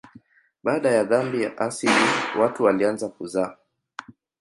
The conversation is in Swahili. Baada ya dhambi ya asili watu walianza kuzaa.